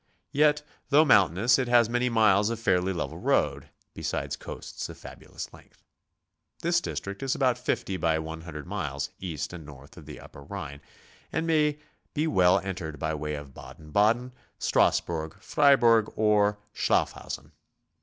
Yet though mountainous, it has many miles of fairly level road, besides coasts of fabu lous length. This district is about 50 by 100 miles, east and north of the upper Rhine, and may be well entered by way of Baden Baden, Strasslburg, Freiburg, or Schaffhausen.